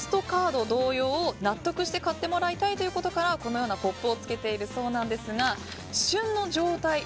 カード同様納得して買ってもらいたいということからこのようなポップをつけているそうなんですが旬の状態